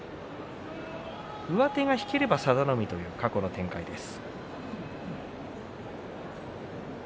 上手が引ければ佐田の海という過去の展開です。